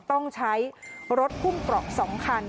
ต้องใช้รถคุ่มปลอก๒คัน